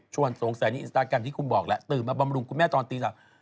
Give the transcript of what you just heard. สงสัยในอินสตาแกรมที่คุณบอกแหละตื่นมาบำรุงคุณแม่ตอนตี๓